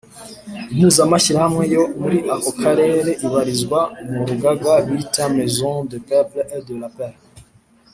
impuzamashyirahamwe yo muri ako karere ibarizwa mu rugaga bita maison des peuples et de la paix,